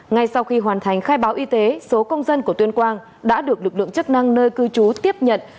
ngay sau khi hoàn thành khai báo y tế số công dân của tuyên quang đã được lực lượng chức năng nơi cư trú tiếp nhận